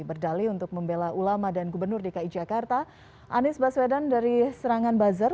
berdali untuk membela ulama dan gubernur dki jakarta anies baswedan dari serangan bazar